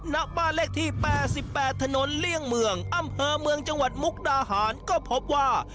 ณบ้านเลขที่๘๘ถนนเลี่ยงเมืองอำเภอเมืองจังหวัดมุกดาหารก็พบว่า